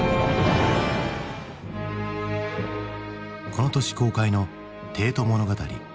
この年公開の「帝都物語」。